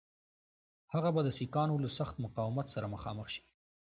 هغه به د سیکهانو له سخت مقاومت سره مخامخ شي.